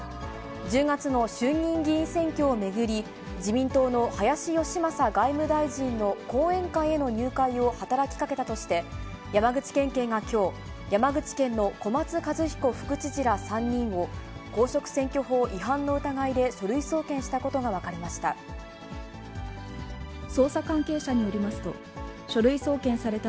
１０月の衆議院議員選挙を巡り、自民党の林芳正外務大臣の後援会への入会を働きかけたとして、山口県警がきょう、山口県の小松一彦副知事ら３人を公職選挙法違反の疑いで書類送検したことが分かりました。